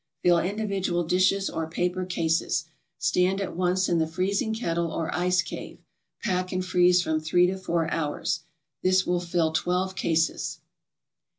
Fill individual dishes or paper cases, stand at once in the freezing kettle or ice cave; pack and freeze from three to four hours. This will fill twelve cases.